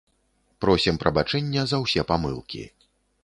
Просім прабачэння за ўсе памылкі.